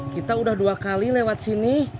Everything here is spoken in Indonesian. kita udah dua kali lewat sini